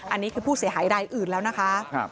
อันนี้คือผู้เสียหายรายอื่นแล้วนะคะ